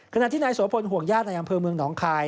ขณะที่นายโสพลห่วงญาติในอำเภอเมืองหนองคาย